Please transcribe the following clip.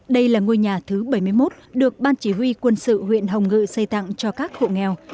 đây là ngôi nhà thứ bảy mươi một được ban chỉ huy quân sự huyện hồng ngự xây tặng cho các hộ nghèo